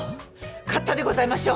勝ったでございましょ。